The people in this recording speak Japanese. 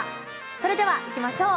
それではいきましょう。